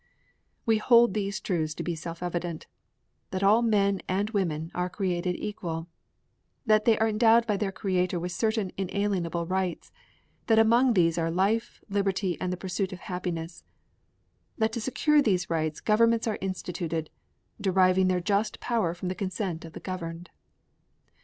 We hold these truths to be self evident: that all men and women are created equal; that they are endowed by their Creator with certain inalienable rights; that among these are life, liberty, and the pursuit of happiness; that to secure these rights governments are instituted, deriving their just power from the consent of the governed.